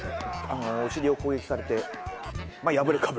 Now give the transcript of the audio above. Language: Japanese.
お尻を攻撃されて。